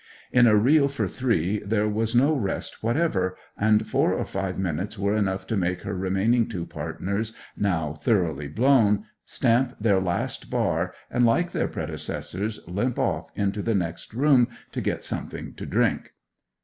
In a reel for three there was no rest whatever, and four or five minutes were enough to make her remaining two partners, now thoroughly blown, stamp their last bar and, like their predecessors, limp off into the next room to get something to drink.